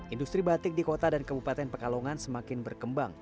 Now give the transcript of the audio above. industri batik di kota dan kabupaten pekalongan semakin berkembang